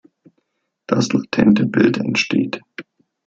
Das latente Bild entsteht.